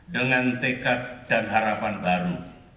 dengan tekad dan harapan baru